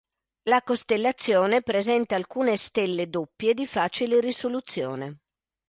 La costellazione presenta alcune stelle doppie di facile risoluzione.